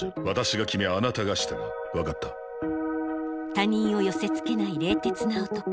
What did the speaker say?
他人を寄せつけない冷徹な男。